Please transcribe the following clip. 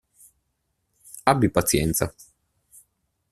Abbi pazienza.